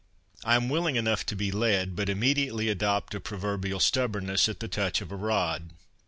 I am willing enough to be led, but immediately adopt a proverbial stubbornness at the touch of a rod.